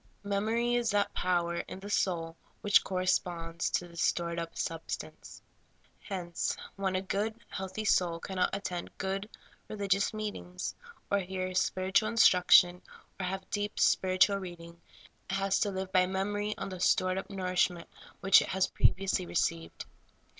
Memory is that power in the soul which corresponds to this stored up substance. Hence, when a good, healthy soul cannot attend good, religious meetings, or hear spiritual instruction, or have deep, spiritual reading, it has to live by memory on the stored up nourishment which it has previously received.